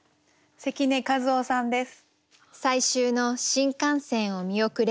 関根一雄さんです。